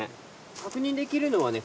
確認できるのはね